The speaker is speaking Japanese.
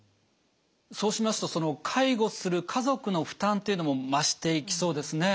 そうしますとその介護する家族の負担っていうのも増していきそうですね。